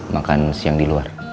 makan siang di luar